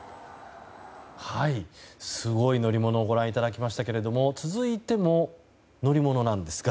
すごい乗り物をご覧いただきましたが続いても乗り物なんですが